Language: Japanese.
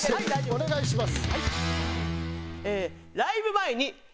お願いします。